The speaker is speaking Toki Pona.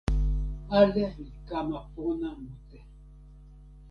ale li kama pona mute.